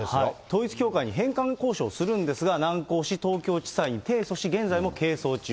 統一教会に返還交渉するんですが、難航し、東京地裁に提訴し、現在も係争中。